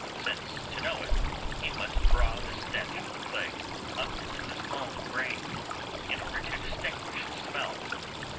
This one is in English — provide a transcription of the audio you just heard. since, to know it, he must draw the stench of the plague up into his own brain, in order to distinguish the smell!